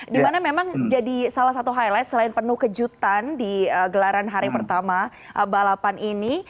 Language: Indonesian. dimana memang jadi salah satu highlight selain penuh kejutan di gelaran hari pertama balapan ini